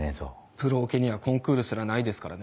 プロオケにはコンクールすらないですからね。